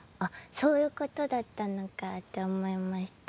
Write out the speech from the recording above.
そういうことだったのかと思いました。